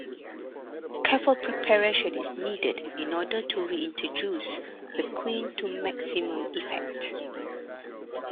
Careful preparation is needed in order to reintroduce the queen to maximum effect.